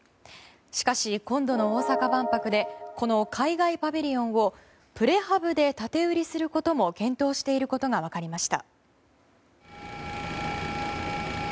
しかし、今度の大阪万博でこの海外パビリオンをプレハブで建て売りすることも検討していることが分かりました。